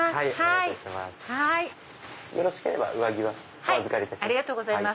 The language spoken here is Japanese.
よろしければ上着はお預かりいたします。